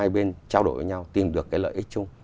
hai bên trao đổi với nhau tìm được cái lợi ích chung